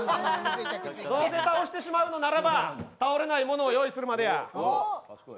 どうせ倒してしまうのならば倒れないものを用意するまでだ。